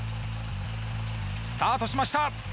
スタートしました